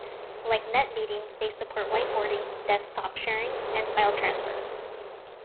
Like NetMeeting, they support whiteboarding, desktop sharing, and file transfers.